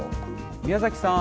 宮崎さん。